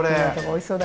おいしそう。